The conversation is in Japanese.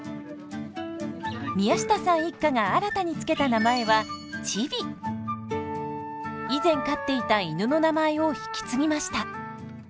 宮下さん一家が新たに付けた名前は以前飼っていた犬の名前を引き継ぎました。